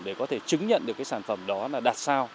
để có thể chứng nhận được cái sản phẩm đó là đạt sao